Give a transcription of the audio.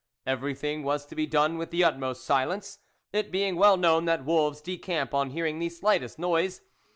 Everything was to be done with the utmost silence, it being well known that wolves decamp on hearing the slightest noise.